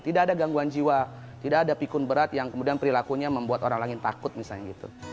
tidak ada gangguan jiwa tidak ada pikun berat yang kemudian perilakunya membuat orang lain takut misalnya gitu